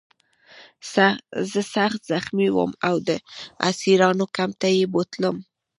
زه سخت زخمي وم او د اسیرانو کمپ ته یې بوتلم